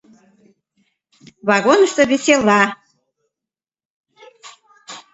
Вагонышто весела!